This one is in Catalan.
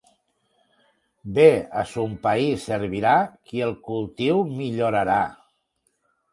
Bé a son país servirà qui el cultiu millorarà.